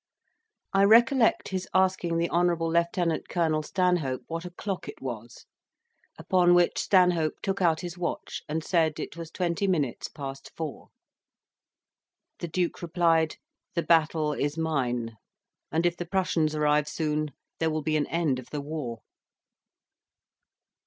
I recollect his asking the Hon. Lieut. Colonel Stanhope what o'clock it was, upon which Stanhope took out his watch, and said it was twenty minutes past four. The Duke replied, "The battle is mine; and if the Prussians arrive soon, there will be an end of the war."